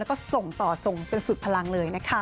แล้วก็ส่งต่อส่งจนสุดพลังเลยนะคะ